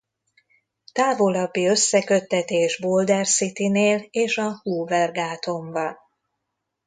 Távolabbi összeköttetés Boulder City-nél és a Hoover-gáton van.